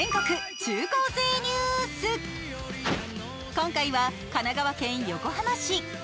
今回は神奈川県横浜市。